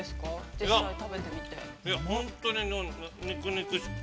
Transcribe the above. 実際食べてみて。